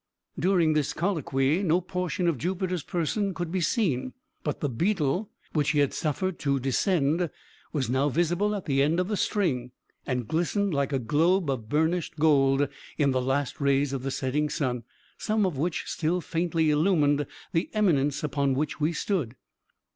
During this colloquy no portion of Jupiter's person could be seen; but the beetle, which he had suffered to descend, was now visible at the end of the string, and glistened, like a globe of burnished gold, in the last rays of the setting sun, some of which still faintly illumined the eminence upon which we stood.